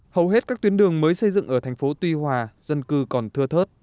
hầu hết các tuyến đường mới xây dựng ở thành phố tuy hòa dân cư còn thưa thớt